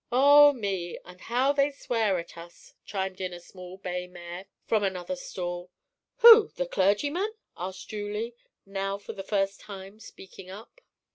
'" "Oh me, and how they swear at us!" chimed in a small bay mare from another stall. "Who, the clergyman?" cried Julie, now for the first time speaking up.